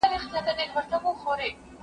هغه په انګلستان کي د څېړونکي په توګه کار وکړ.